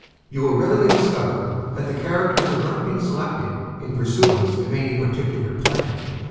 You will readily discover, that the characters have not been selected in pursuance of any particular plan.